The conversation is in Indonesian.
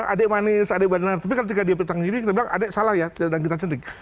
adik manis adik badan tapi ketika dia berikan tangan kiri kita bilang adik salah ya dan kita sentik